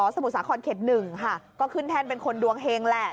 มุทรสาครเขต๑ค่ะก็ขึ้นแท่นเป็นคนดวงเฮงแหละ